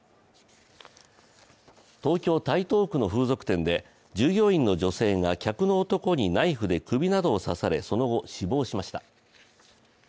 東京・台東区の風俗店で従業員の女性が客の男にナイフで首などを刺されその後、死亡しました。